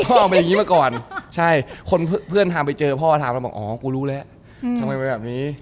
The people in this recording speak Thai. ออกมาอย่างนี้มาก่อนใช่คนเพื่อนถามไปเจอพ่อถามแล้วบอกอ๋อกูรู้แล้วทำไมไปแบบนี้